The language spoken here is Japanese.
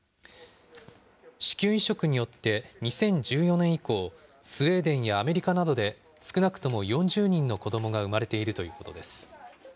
子宮移植によって２０１４年以降、スウェーデンやアメリカなどで、少なくとも４０人の子どもが産まれているということです。